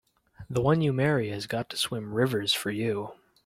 The one you marry has got to swim rivers for you!